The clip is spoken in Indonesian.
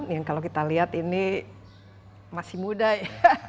yang kalau kita lihat ini masih muda ya